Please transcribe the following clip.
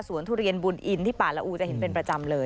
ทุเรียนบุญอินที่ป่าละอูจะเห็นเป็นประจำเลย